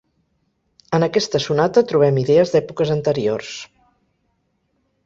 En aquesta sonata trobem idees d'èpoques anteriors.